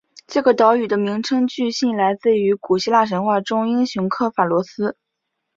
这个岛屿的名称据信来自于古希腊神话英雄刻法罗斯。